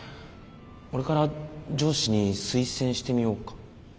俺から上司に推薦してみようか。